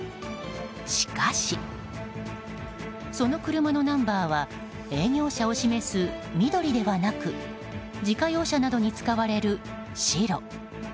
しかし、その車のナンバーは営業車を示す緑ではなく自家用車などに使われる白。